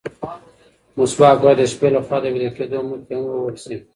مسواک باید د شپې له خوا د ویده کېدو مخکې هم ووهل شي.